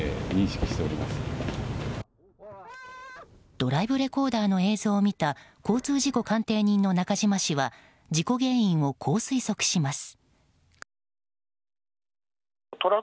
ドライブレコーダーの映像を見た交通事故鑑定人の中島氏は事故原因をこう推測します。